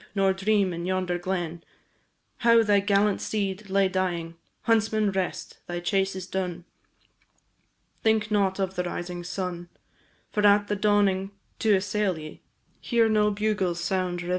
nor dream in yonder glen, How thy gallant steed lay dying. Huntsman, rest! thy chase is done, Think not of the rising sun, For at dawning to assail ye, Here no bugles sound reveillé.